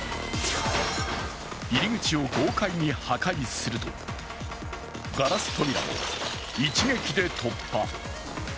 入り口を豪快に破壊すると、ガラス扉も一撃で突破。